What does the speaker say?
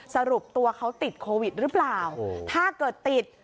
สรุปตัวเขาติดโควิดหรือเปล่าถ้าเกิดติด